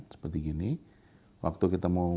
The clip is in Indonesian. seperti gini waktu kita mau